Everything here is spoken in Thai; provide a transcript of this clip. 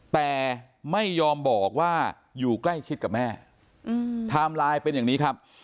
แต่ไม่ยอมบอกว่าอยู่ใกล้ชิดกับแม่ไทม์ไลน์เป็นอย่างนี้ครับ